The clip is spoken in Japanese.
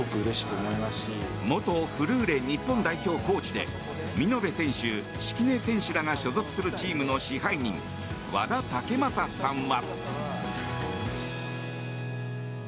元フルーレ日本代表コーチで見延選手、敷根選手らが所属するチームの支配人和田武真さんは。